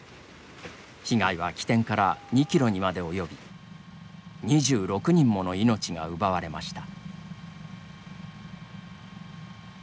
被害は、起点から２キロにまで及び２６人もの命が奪われました。